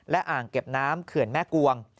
และอ่างเก็บน้ำเขื่อนแม่กวง